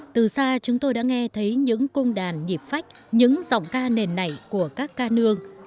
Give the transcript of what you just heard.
từ xa chúng tôi đã nghe thấy những cung đàn nhịp phách những giọng ca nền này của các ca nương